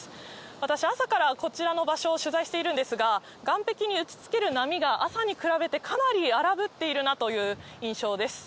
私、朝からこちらの場所を取材しているんですが、岸壁に打ちつける波が、朝に比べてかなりあらぶっているなという印象です。